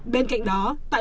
bên cạnh đó tại